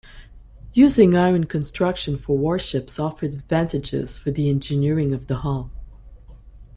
Using iron construction for warships offered advantages for the engineering of the hull.